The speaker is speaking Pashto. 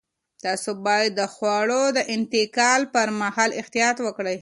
تاسو باید د خوړو د انتقال پر مهال احتیاط وکړئ.